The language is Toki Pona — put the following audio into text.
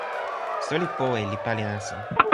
soweli powe li pali nasa.